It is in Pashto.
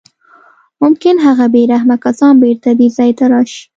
ممکن هغه بې رحمه کسان بېرته دې ځای ته راشي